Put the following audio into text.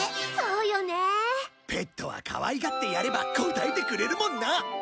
ペットはかわいがってやれば応えてくれるもんな。